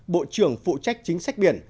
bộ trưởng phụ trách chính sách biển